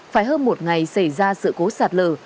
phải hơn một ngày xảy ra sự cố sạt lở